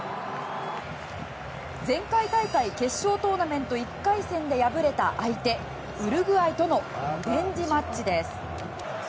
前回大会決勝トーナメント１回戦で敗れた相手ウルグアイとのリベンジマッチです。